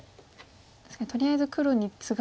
確かにとりあえず黒にツガせて。